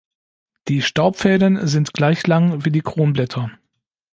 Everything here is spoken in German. Die Staubfäden sind gleich lang wie die Kronblätter.